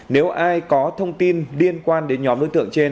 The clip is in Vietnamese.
nếu ai có thông tin liên quan đến nhóm đối tượng trên